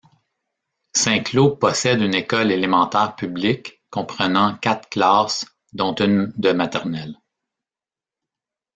Saint-Claud possède une école élémentaire publique comprenant quatre classes, dont une de maternelle.